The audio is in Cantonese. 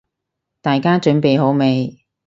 大家準備好未？